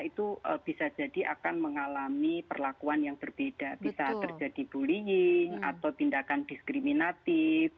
itu bisa jadi akan mengalami perlakuan yang berbeda bisa terjadi bullying atau tindakan diskriminatif